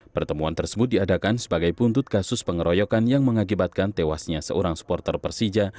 pertemuan tersebut diadakan sebagai buntut kasus pengeroyokan yang mengakibatkan tewasnya seorang supporter persija